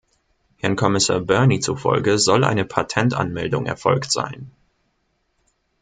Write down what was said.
Herrn Kommissar Byrne zufolge soll eine Patentanmeldung erfolgt sein.